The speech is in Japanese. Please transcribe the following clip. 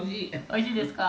「おいしいですか」